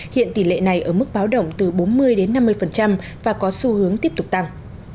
hiện tỷ lệ này ở mức báo động từ bốn mươi đến năm mươi và có xu hướng tiếp tục tăng